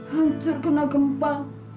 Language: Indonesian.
hancur kena gempa